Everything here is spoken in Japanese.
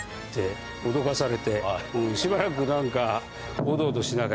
しばらく何か。